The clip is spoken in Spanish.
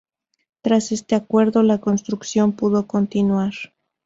Tras este acuerdo, la construcción pudo continuar.